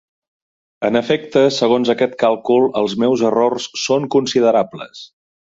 En efecte, segons aquest càlcul, els meus errors són considerables!